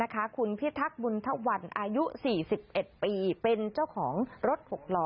คุณมริธักษ์มุนทวรอายุ๔๑ปีเป็นเจ้าของรถปกล้อ